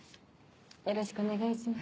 よろしくお願いします。